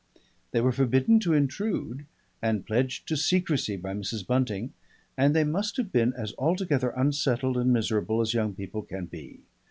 They were forbidden to intrude and pledged to secrecy by Mrs. Bunting, and they must have been as altogether unsettled and miserable as young people can be.